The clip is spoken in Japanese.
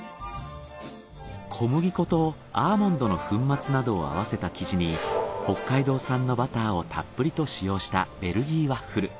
小麦粉とアーモンドの粉末などを合わせた生地に北海道産のバターをたっぷりと使用したベルギーワッフル。